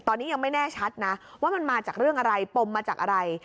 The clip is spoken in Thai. ตอนนี้ยังไม่แน่ชัดนะว่ามันมาจากเรื่องอะไรปมมาจากอะไร